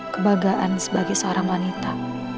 kebagaan sebagai seorang wanita